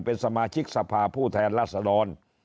เป็นสมาชิกสภาผู้แทนราษดร